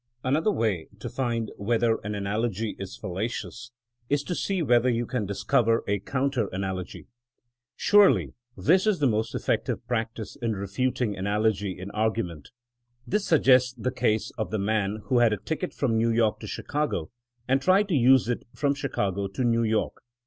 Another way to find whether an analogy is fallacious is to see whether you can discover a counter analogy. Surely this is the most effec tive practice in refuting analogy in argument This suggests the case of the man who had a ticket from New York to Chicago, and tried to use it from Chicago to New York.